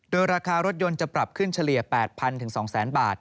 โดยราคารถยนต์จะปรับขึ้นเฉลี่ย๘๐๐๒๐๐บาท